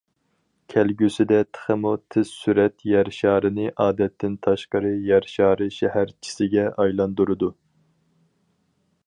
كەلگۈسىدە تېخىمۇ تىز سۈرەت يەر شارىنى ئادەتتىن تاشقىرى يەر شارى شەھەرچىسىگە ئايلاندۇرىدۇ.